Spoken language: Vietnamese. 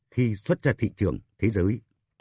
khi xuất ra thị trường thế giới